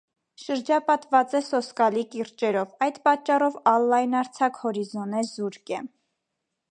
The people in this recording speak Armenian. Շրջապատուած է սոսկալի կիրճերով. այդ պատճառով ալ լայնարձակ հորիզոնէ զուրկ է։